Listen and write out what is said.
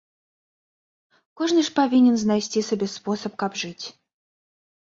Кожны ж павінен знайсці сабе спосаб каб жыць!